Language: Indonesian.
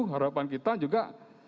harapan kita juga